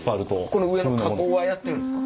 この上の加工はやってるんですか？